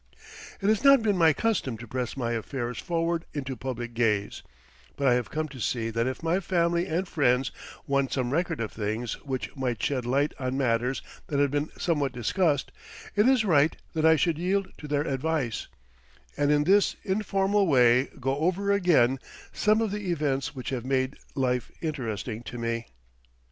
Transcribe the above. It has not been my custom to press my affairs forward into public gaze; but I have come to see that if my family and friends want some record of things which might shed light on matters that have been somewhat discussed, it is right that I should yield to their advice, and in this informal way go over again some of the events which have made life interesting to me.